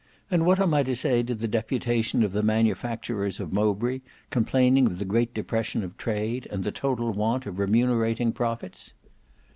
"And what am I to say to the deputation of the manufacturers of Mowbray complaining of the great depression of trade, and the total want of remunerating profits?"